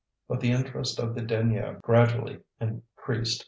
But the interest of the denier gradually increased.